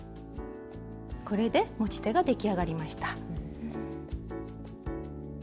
これで持ち手が出来上がりました。